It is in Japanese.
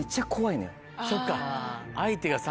そっか。